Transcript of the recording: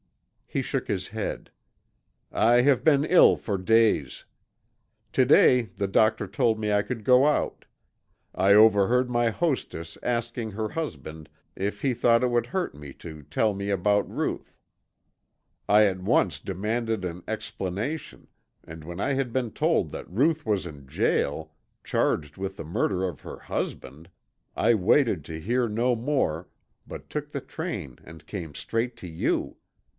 He shook his head. "I have been ill for days. To day the doctor told me I could go out. I overheard my hostess asking her husband if he thought it would hurt me to tell me about Ruth. I at once demanded an explanation and when I had been told that Ruth was in jail charged with the murder of her husband, I waited to hear no more but took the train and came straight to you.